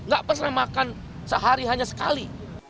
gak pasrah makan sehari hanya sekali